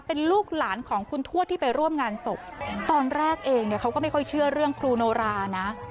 เป็นลูกหลานของคุณทวดที่ไปร่วมงานศพตอนแรกเองเนี่ยเขาก็ไม่ค่อยเชื่อเรื่องครูโนรานะ